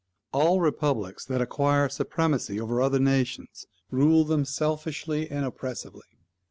All republics that acquire supremacy over other nations, rule them selfishly and oppressively.